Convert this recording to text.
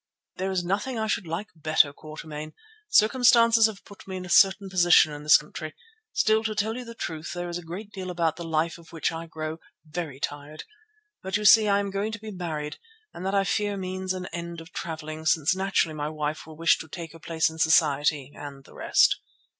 "There is nothing I should like better, Quatermain. Circumstances have put me in a certain position in this country, still to tell you the truth there is a great deal about the life of which I grow very tired. But you see I am going to be married, and that I fear means an end of travelling, since naturally my wife will wish to take her place in society and the rest."